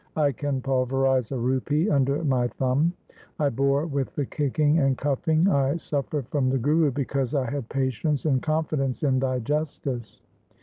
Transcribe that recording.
I can pulverize a rupee under my thumb. I bore with the kicking and cuffing I suf fered from the Guru because I had patience and con fidence in thy justice.